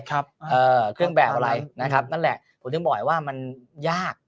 เครื่องแบบอะไรนะครับนั่นแหละผมถึงบอกว่ามันยาก